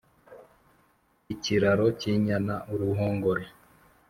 ikiraro k’inyana uruhongore